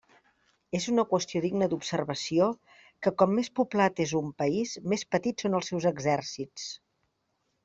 És una qüestió digna d'observació que com més poblat és un país més petits són els seus exèrcits.